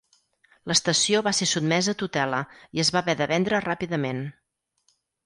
L'estació va ser sotmesa a tutela i es va haver de vendre ràpidament.